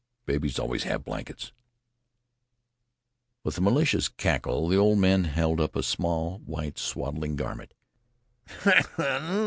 "Babies always have blankets." With a malicious crackle the old man held up a small white swaddling garment.